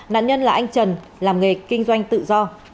nạn nhân là anh trần làm nghề kinh doanh tự do